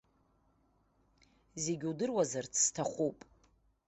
Зегьы удыруазарц сҭахуп.